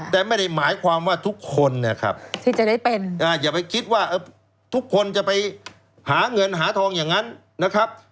แต่ไม่ได้หมายความว่าทุกคนนะครับที่จะได้เป็นอย่าไปคิดว่าทุกคนจะไปหาเงินหาทองอย่างนั้นนะครับ